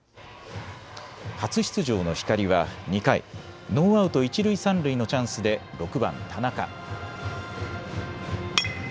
初出場の光は２回、ノーアウト一塁三塁のチャンスで６番・田中。